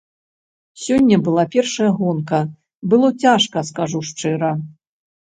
Сёння была першая гонка, было цяжка, скажу шчыра.